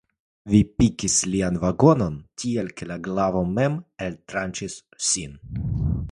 Vi pikis lian vangon, tiel ke la glavo mem eltranĉis sin.